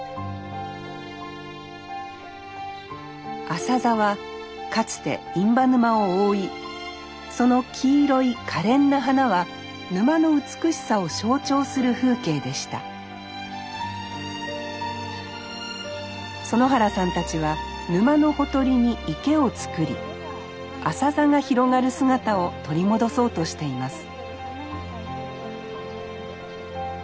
アサザはかつて印旛沼を覆いその黄色いかれんな花は沼の美しさを象徴する風景でした園原さんたちは沼のほとりに池をつくりアサザが広がる姿を取り戻そうとしています